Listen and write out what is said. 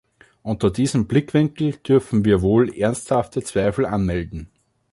Unter diesem Blickwinkel dürfen wir wohl ernsthafte Zweifel anmelden.